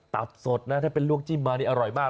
ตับสดนะถ้าเป็นลวกจิ้มมานี่อร่อยมาก